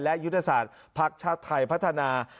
และยุทธศาสตร์พชไฟพัฒนา